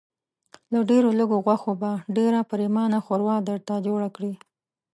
له ډېرو لږو غوښو به ډېره پرېمانه ښوروا درته جوړه کړي.